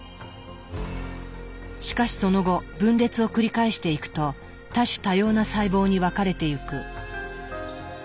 しかしその後分裂を繰り返していくと多種多様な細胞に分かれてゆく。